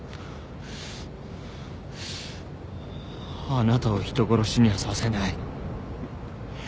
あなたを人殺しにはさせない。